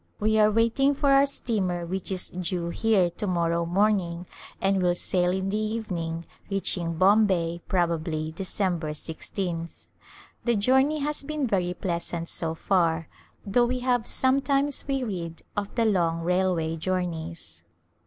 We are waiting for our steamer which is due here to morrow morning and will sail in the evening, reaching Bombay, probably, December i6th. The journey has A Summer Resort been very pleasant so far though we have sometimes wearied of the long railway journeys.